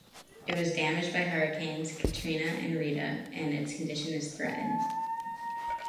It was damaged by Hurricanes Katrina and Rita, and its condition is threatened.